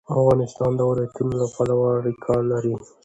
افغانستان د ولایتونو له پلوه اړیکې لري.